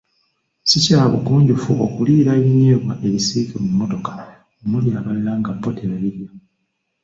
Si kya bugunjufu okuliira ebinyeebwa ebisiike mu mmotoka omuli abalala nga bo tebabirya.